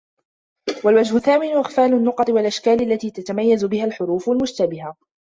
وَالْوَجْهُ الثَّامِنُ إغْفَالُ النُّقَطِ وَالْأَشْكَالِ الَّتِي تَتَمَيَّزُ بِهَا الْحُرُوفُ الْمُشْتَبِهَةُ